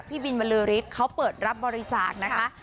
พี่บินบรือฤทธิ์เขาเปิดรับบริจาคนะคะ